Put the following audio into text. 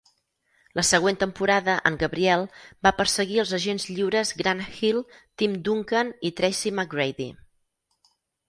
La següent temporada, en Gabriel, va perseguir als agents lliures Grant Hill, Tim Duncan i Tracy McGrady.